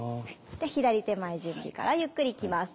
左手前準備からゆっくりいきます。